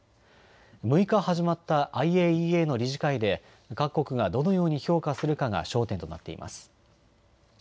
６日、始まったＩＡＥＡの理事会で各国がどのように評価するかが焦点となっています。